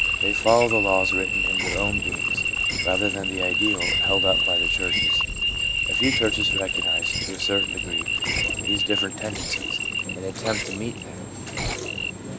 They follow the laws written in their own beings, rather than the ideal held up by the churches. A few churches recognise, to a certain degree, these different tendencies, and attempt to meet SOME EDUCATIONAL INFERENCES 411 them.